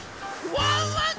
ワンワン